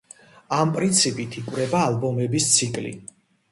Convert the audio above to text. ამ პრინციპით, იკვრება ალბომების ციკლი.